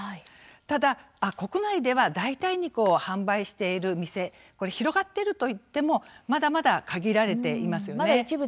ただ国内では代替肉を販売している店広がっているといってもまだまだ限られていますよね。